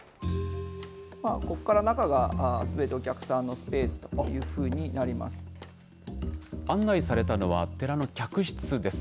ここから中がすべてお客さんのスペース案内されたのは寺の客室です。